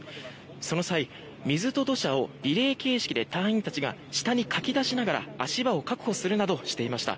その際、水と土砂をリレー形式で隊員たちが下にかき出しながら足場を確保するなどしていました。